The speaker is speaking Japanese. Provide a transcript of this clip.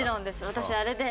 私あれで。